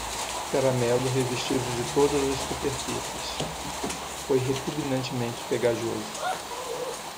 Caramelo revestido de todas as superfícies? foi repugnantemente pegajoso.